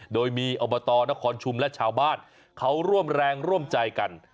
โดยมีอบตนครชุมและชาวบ้านเขาร่วมแรงร่วมใจกัน